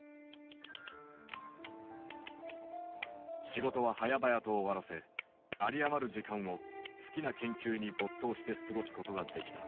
仕事ははやばやと終わらせ有り余る時間を好きな研究に没頭して過ごすことができた。